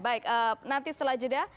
baik nanti setelah jeda